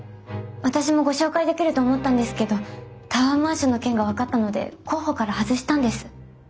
私もご紹介できると思ったんですけどタワーマンションの件が分かったので候補から外したんです。